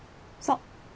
そう。